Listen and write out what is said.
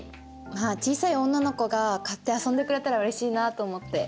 まあ小さい女の子が買って遊んでくれたらうれしいなと思って。